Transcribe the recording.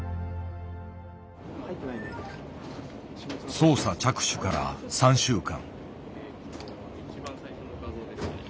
捜査着手から３週間。